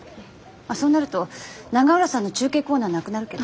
あっそうなると永浦さんの中継コーナーなくなるけど。